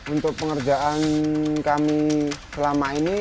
untuk pengerjaan kami selama ini